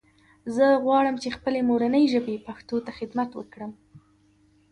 زه غواړم چې خپلې مورنۍ ژبې پښتو ته خدمت وکړم